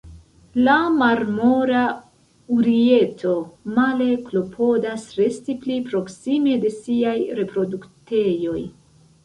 La Marmora urieto, male klopodas resti pli proksime de siaj reproduktejoj.